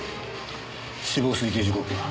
死亡推定時刻は？